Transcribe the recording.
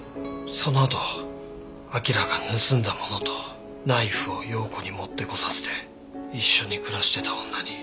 そのあとアキラが盗んだものとナイフを陽子に持ってこさせて一緒に暮らしてた女に。